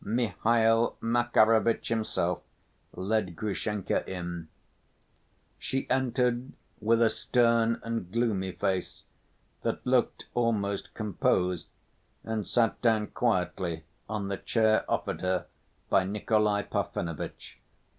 Mihail Makarovitch himself led Grushenka in. She entered with a stern and gloomy face, that looked almost composed and sat down quietly on the chair offered her by Nikolay Parfenovitch.